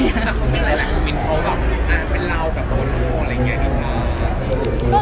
คุณมินเมนความว่าเป็นเรากับคนทั้งหมดอะไรอย่างนี้นะ